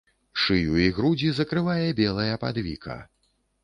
Шыю і грудзі закрывае белая падвіка.